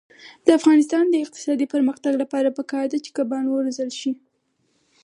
د افغانستان د اقتصادي پرمختګ لپاره پکار ده چې کبان وروزلت شي.